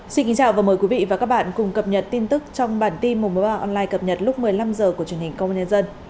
xin kính chào và mời quý vị và các bạn cùng cập nhật tin tức trong bản tin một trăm một mươi ba online cập nhật lúc một mươi năm h của truyền hình công an nhân dân